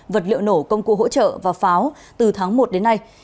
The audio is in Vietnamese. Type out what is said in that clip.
vật liệu nổ công cụ hỗ trợ và pháo từ tháng một đến nay